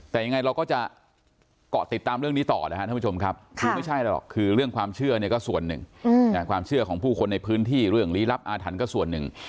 แต่ยังไงเราก็จะเกาะติดตามเรื่องนี้ต่อนะครับทุกผู้ชมครับคือไม่ใช่หรอกคือเรื่องความเชื่อเนี่ยก็ส่วนหนึ่ง